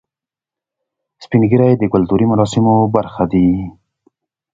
سپین ږیری د کلتوري مراسمو برخه دي